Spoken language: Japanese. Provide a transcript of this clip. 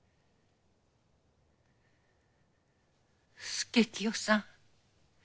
佐清さん。